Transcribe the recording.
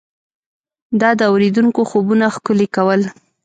دا د اورېدونکو خوبونه ښکلي کول.